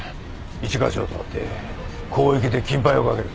一課長と会って広域で緊配をかける。